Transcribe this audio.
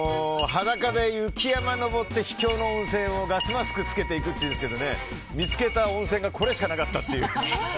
裸で雪山に登って秘境の温泉にガスマスク着けて行くっていうのですけど見つけた温泉がこれしかなかったっていう。